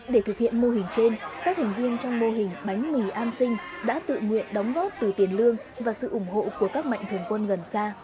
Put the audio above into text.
để thực hiện mô hình trên các thành viên trong mô hình bánh mì an sinh đã tự nguyện đóng góp từ tiền lương và sự ủng hộ của các mạnh thường quân gần xa